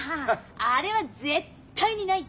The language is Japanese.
あれは絶対にないって。